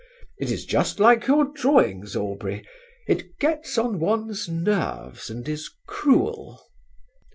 It is just like your drawings, Aubrey; it gets on one's nerves and is cruel.